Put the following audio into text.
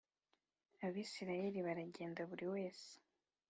Abisirayeli baragenda buri wese